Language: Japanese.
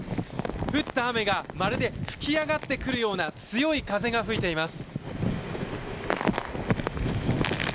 降った雨がまるで吹き上がってくるような強い風が吹いています。